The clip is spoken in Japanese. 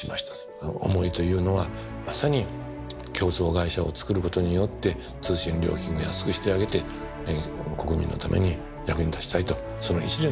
思いというのはまさに競争会社を作ることによって通信料金を安くしてあげて国民のために役に立ちたいとその一念だけだと。